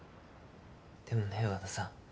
でもね和田さん。